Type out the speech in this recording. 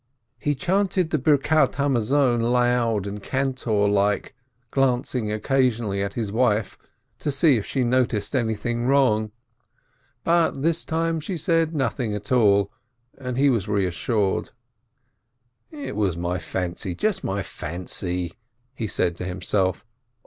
He chanted the grace loud and cantor like, glancing occasionally at his wife, to see if she noticed anything wrong; but this time she said nothing at all, and he was reassured. "It was my fancy — just my fancy !" he said to himself.